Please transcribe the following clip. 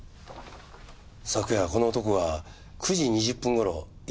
昨夜この男が９時２０分頃１００６